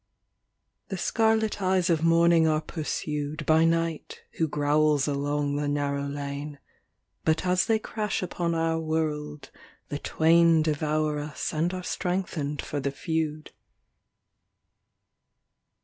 n The scarlet eyes of Morning are pursued By Night, who growls along the narrow lane ; But as they crash upon our world the twain Devour us and are strengthened for the feud.